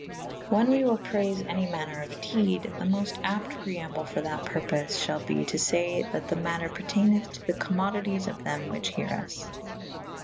Whan we wyll prayfe any maner of dede / the moft apte pre amble for that purpofe Ihall be to fay that the mater p^rteineth' to the commodities of them which here vs.